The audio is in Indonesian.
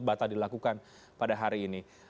batal dilakukan pada hari ini